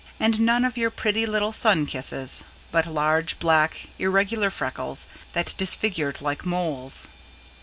And none of your pretty little sun kisses; but large, black, irregular freckles that disfigured like moles.